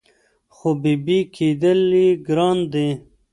خو بېبي کېدل یې ګران دي